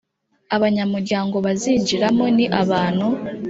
Abanyamuryango bazinjiramo ni abantu